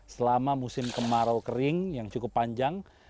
selama musim kemarau kering yang cukup panjang